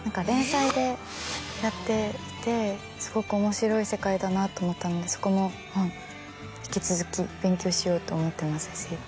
連載でやっていてすごく面白い世界だなって思ったのでそこも引き続き勉強しようと思ってますし。